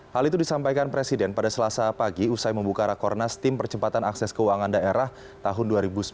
hal itu disampaikan presiden pada selasa pagi usai membuka rakornas tim percepatan akses keuangan daerah tahun dua ribu sembilan belas